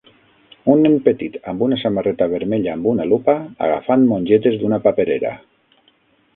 Un nen petit amb una samarreta vermella amb una lupa, agafant mongetes d'una paperera.